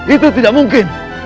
itu tidak mungkin